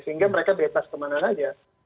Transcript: sehingga mereka bebas kemana saja